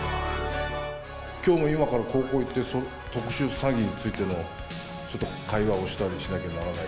きょうも今から高校行って、特殊詐欺についてのちょっと会話をしたりしなきゃならない。